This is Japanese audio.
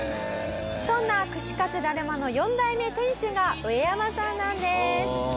そんな串かつだるまの四代目店主がウエヤマさんなんです。